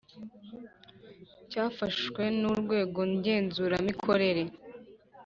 cyafashwe n Urwego Ngenzuramikorere